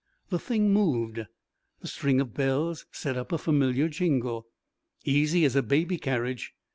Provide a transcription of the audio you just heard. The thing moved. The strings of bells set up a familiar jingle. "Easy as a baby carriage!"